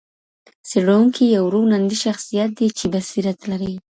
څېړونکی یو روڼ اندئ شخصیت دئ چي بصیرت لري.